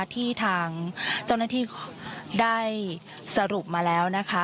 ที่ทางเจ้าหน้าที่ได้สรุปมาแล้วนะคะ